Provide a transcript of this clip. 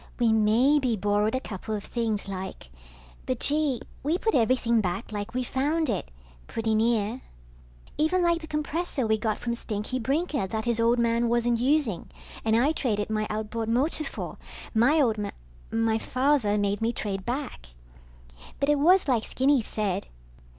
We maybe borrowed a couple of things, like. But, gee, we put everything back like we found it, pretty near. Even like the compressor we got from Stinky Brinker that his old man wasn't using and I traded my outboard motor for, my old m ... my father made me trade back. But it was like Skinny said